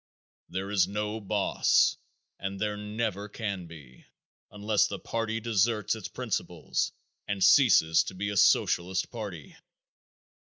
There is no boss and there never can be unless the party deserts its principles and ceases to be a Socialist party.